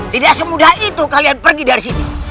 tidak semudah itu kalian pergi dari sini